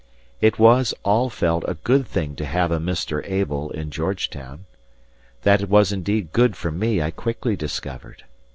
It was, all felt, a good thing to have a Mr. Abel in Georgetown. That it was indeed good for me I quickly discovered.